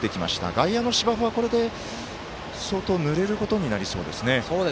外野の芝生は相当ぬれることになりそうですね。